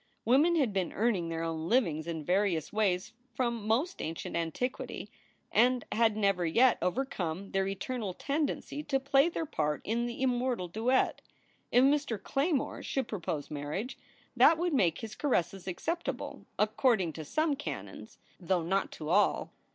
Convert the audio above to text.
Women had been earning their own livings in various ways from most ancient antiquity and had never yet overcome their eternal tendency to play their part in the immortal duet. If Mr. Claymore should propose marriage, that would make his caresses acceptable according to some canons, though not to all.